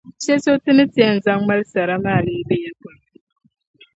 piɛ’ so ti ni ti yɛn zaŋ mali sara maa lee be ya?